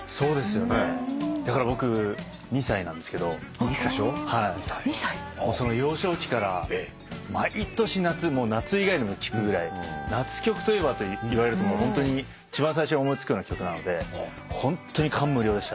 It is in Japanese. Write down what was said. だから僕２歳なんですけどもうその幼少期から毎年夏もう夏以外にも聴くぐらい夏曲といえばといわれるとホントに一番最初に思い付くような曲なのでホントに感無量でした。